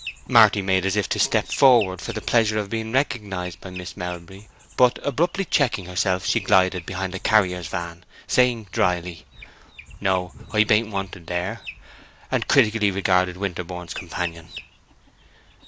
Marty made as if to step forward for the pleasure of being recognized by Miss Melbury; but abruptly checking herself, she glided behind a carrier's van, saying, dryly, "No; I baint wanted there," and critically regarded Winterborne's companion.